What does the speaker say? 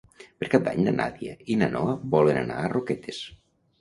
Per Cap d'Any na Nàdia i na Noa volen anar a Roquetes.